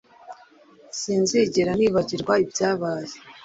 sinzigera nibagirwa ibyabaye.